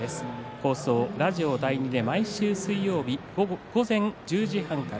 放送ラジオ第１で毎週水曜日午前１０時半から